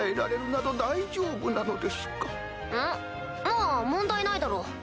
まぁ問題ないだろ。